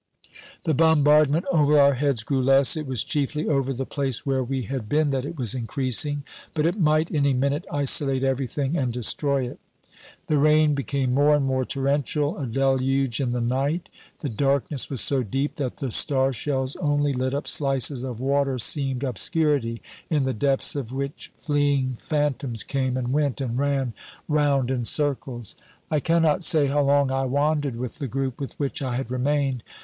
The bombardment over our heads grew less; it was chiefly over the place where we had been that it was increasing. But it might any minute isolate everything and destroy it. The rain became more and more torrential a deluge in the night. The darkness was so deep that the star shells only lit up slices of water seamed obscurity, in the depths of which fleeing phantoms came and went and ran round in circles. I cannot say how long I wandered with the group with which I had remained.